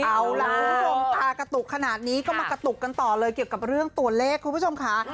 เอาลาโทรงตากระตุกขนาดนี้ขนาดนี้เกิดกับเรื่องตัวเลขพี่ผู้ชมขา